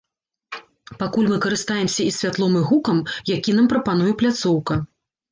Пакуль мы карыстаемся і святлом і гукам, які нам прапануе пляцоўка.